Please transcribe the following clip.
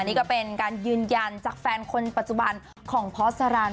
นี่ก็เป็นการยืนยันจากแฟนคนปัจจุบันของพอสรร